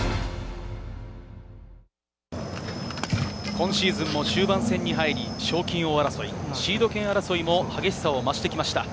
今シーズンも終盤戦に入り、賞金王争い、シード権争いも激しさを増してきました。